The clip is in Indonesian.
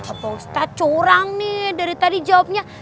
apa ustadz curang nih dari tadi jawabnya